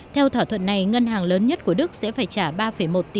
theo thỏa thuận này ngân hàng lớn nhất của đức sẽ phải trả ba một tỷ usd